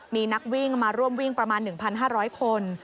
มีนักวิ่งมาร่วมวิ่งประมาณ๑๕๐๐คน